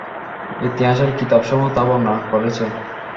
ইতিহাসের কিতাবসমূহ তা বর্ণনা করেছে।